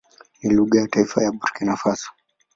Ni lugha ya taifa ya Burkina Faso.